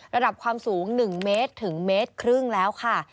ระดับความสูง๑เมตรถึง๑๕เมตรแล้วค่ะ